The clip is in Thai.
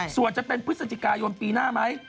ส่วนจะเป็นพฤศจิกายนปีหน้าไหม